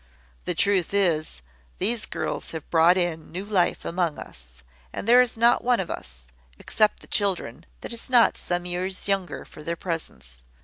The truth is, these girls have brought in a new life among us, and there is not one of us, except the children, that is not some years younger for their presence.